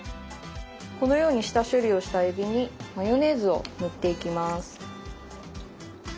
このように下処理をしたえびにマヨネーズを塗っていきます。